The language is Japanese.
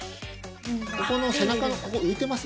ここの背中のここ浮いてます？